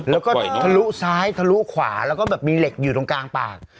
แล้วก็ทะลุซ้ายทะลุขวาแล้วก็แบบมีเหล็กอยู่ตรงกลางปาก